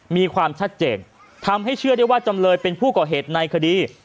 มีความชัดเจนทำให้เชื่อได้ว่าจำเลยเป็นผู้ก่อเหตุในคดี